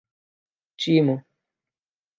Timon